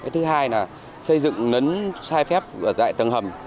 thứ hai là xây dựng nấn sai phép ở dạy tầng hầm